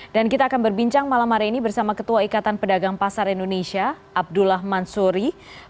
dan kita akan berbincang malam hari ini bersama ketua ikatan pedagang pasar indonesia abdullah mansuri